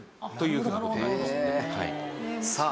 さあ。